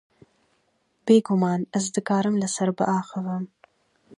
Bê guman, ez dikarim li ser biaxivim.